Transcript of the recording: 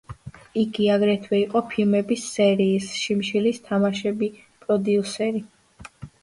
იგი აგრეთვე იყო ფილმების სერიის „შიმშილის თამაშები“ პროდიუსერი.